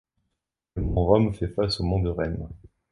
Le mont Rome fait face au mont de Rème.